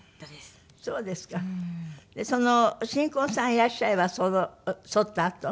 その『新婚さんいらっしゃい！』はそったあと？